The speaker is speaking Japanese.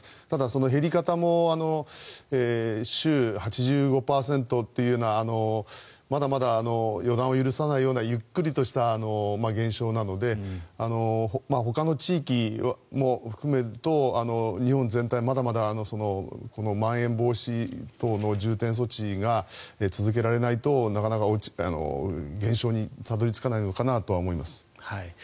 ただ、その減り方も週８５％というようなまだまだ予断を許さないようなゆっくりとした減少なのでほかの地域も含めると日本全体はまだまだまん延防止等重点措置が続けられないとなかなか減少にたどり着かないのかなと思います。